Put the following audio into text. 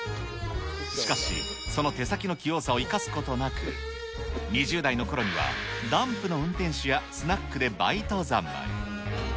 しかし、その手先の器用さを生かすことなく、２０代のころには、ダンプの運転手やスナックでバイト三昧。